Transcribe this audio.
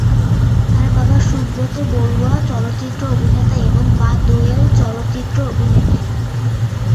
তার বাবা সুব্রত বড়ুয়া চলচ্চিত্র অভিনেতা এবং মা দোয়েল চলচ্চিত্র অভিনেত্রী।